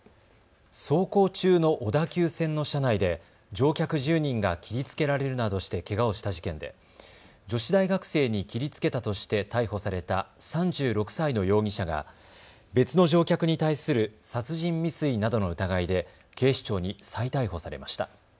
走行中の小田急線の車内で乗客１０人が切りつけられるなどしてけがをした事件で女子大学生に切りつけたとして逮捕された３６歳の容疑者が別の乗客に対する殺人未遂などの疑いで警視庁に再逮捕されました。